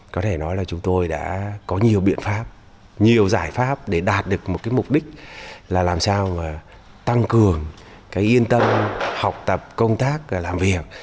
có thể nói là chúng tôi đã có nhiều biện pháp nhiều giải pháp để đạt được một cái mục đích là làm sao tăng cường yên tâm học tập công tác làm việc